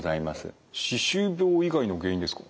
歯周病以外の原因ですか。